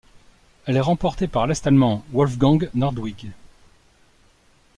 Elle est remportée par l'Est-allemand Wolfgang Nordwig.